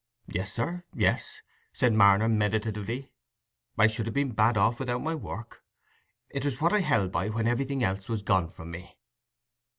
"Yes, sir, yes," said Marner, meditatively. "I should ha' been bad off without my work: it was what I held by when everything else was gone from me."